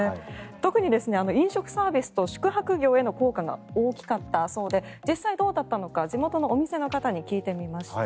特に、飲食サービスと宿泊業への影響が大きかったそうで実際どうだったのか地元のお店の方に聞きました。